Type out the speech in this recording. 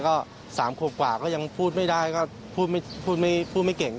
ก็สามโคบกว่าก็ยังพูดไม่ได้ก็พูดไม่เก่ง